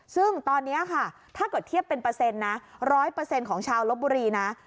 ซึ่งตอนนี้ค่ะถ้าเกิดเทียบเป็นเปอร์เซ็นต์นะ๑๐๐ของชาวลบบุรีนะ